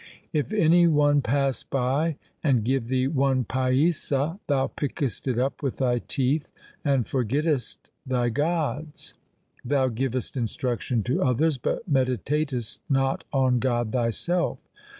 If any one pass by and give thee one paisa, thou pickest it up with thy teeth, and forgettest thy gods. Thou givest instruction to others, but meditatest not on God thyself.